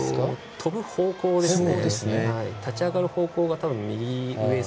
飛ぶ方向ですね。